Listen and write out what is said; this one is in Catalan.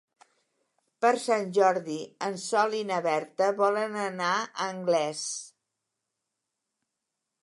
Per Sant Jordi en Sol i na Berta volen anar a Anglès.